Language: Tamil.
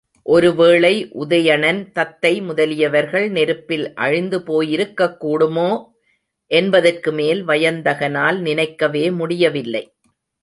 ஒருவேளை உதயணன் தத்தை முதலியவர்கள் நெருப்பில் அழிந்து போயிருக்கக் கூடுமோ? என்பதற்குமேல் வயந்தகனால் நினைக்கவே முடியவில்லை.